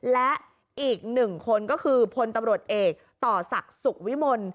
และอีกหนึ่งคนก็คือพลตำรวจเอกต่อศักดิ์สุขวิมล